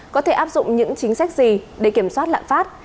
có thể áp dụng những chính sách gì để kiểm soát lạm phát